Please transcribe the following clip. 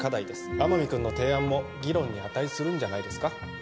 天海君の提案も議論に値するんじゃないですか